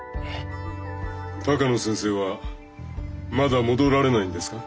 鷹野先生はまだ戻られないんですか？